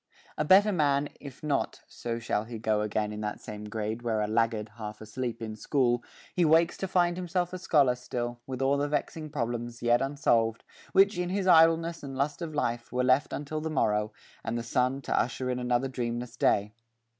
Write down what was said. A better man if not, So shall he go again in that same grade Where like a laggard half asleep in school, He wakes to find himself a scholar still, With all the vexing problems yet unsolved, Which, in his idleness and lust of life, Were left until the morrow, and the sun To usher in another dreamless day.